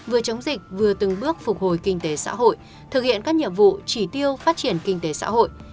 vừa chống dịch vừa từng bước phục hồi kinh tế xã hội thực hiện các nhiệm vụ chỉ tiêu phát triển kinh tế xã hội